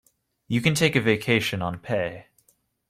You can take a vacation on pay.